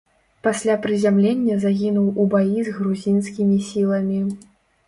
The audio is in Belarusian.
Пасля прызямлення загінуў у баі з грузінскімі сіламі.